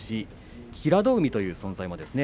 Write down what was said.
平戸海という存在ですね。